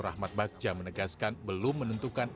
rahmat bagja menegaskan belum menentukan